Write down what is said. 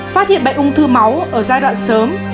phát hiện bệnh ung thư máu ở giai đoạn sớm